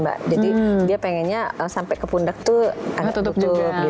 jadi dia pengennya sampai ke pundak tuh ada tutup gitu